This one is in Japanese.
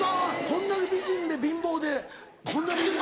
こんだけ美人で貧乏でこんな美人。